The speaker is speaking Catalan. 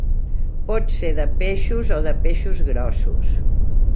Pot ser de peixos o de peixos grossos.